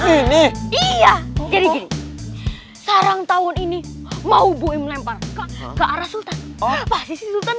ini iya jadi gini sarang tahun ini mau buim lempar ke arah sultan